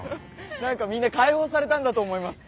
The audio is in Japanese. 何かみんな解放されたんだと思います。